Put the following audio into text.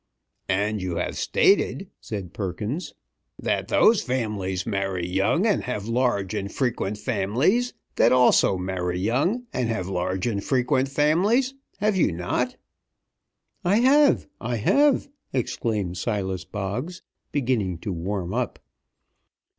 "And you have stated," said Perkins, "that those families many young and have large and frequent families that also marry young and have large and frequent families, have you not?" "I have! I have!" exclaimed Silas Boggs, beginning to warm up.